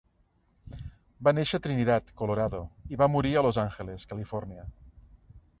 Va néixer a Trinidad, Colorado i va morir a Los Angeles, Califòrnia.